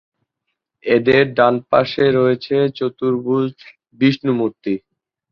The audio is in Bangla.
এদের ডান পাশে রয়েছে চতুর্ভুজ বিষ্ণু মূর্তি।